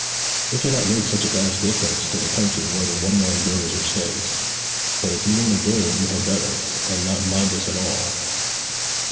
'It cannot make such a vast difference to the country whether one man goes or stays! But if you want to go you had better, and not mind us at all!'